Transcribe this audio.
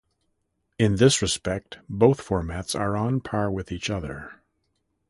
In this respect, both formats are on par with each other.